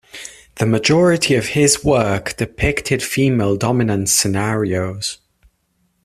The majority of his work depicted female dominance scenarios.